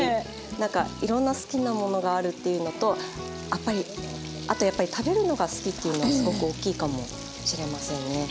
なんかいろんな好きなものがあるっていうのとあとやっぱりっていうのがすごく大きいかもしれませんね。